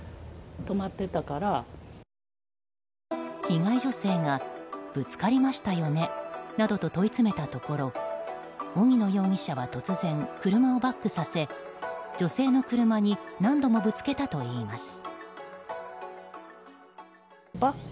被害女性がぶつかりましたよねなどと問い詰めたところ荻野容疑者は突然車をバックさせ女性の車に何度もぶつけたといいます。